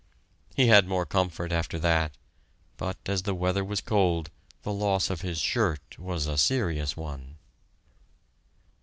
He had more comfort after that, but as the weather was cold the loss of his shirt was a serious one.